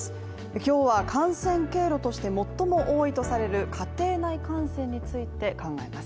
今日は感染経路として最も多いとされる家庭内感染について考えます。